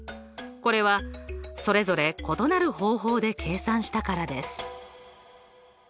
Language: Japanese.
これはそれぞれ異なる方法で計算したからです。